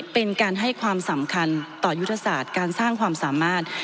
เป็นการให้ความสำคัญต่อยุทธศาสตร์การสร้างความสามารถ